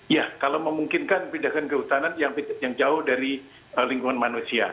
ya kalau memungkinkan pindahkan kehutanan yang jauh dari lingkungan manusia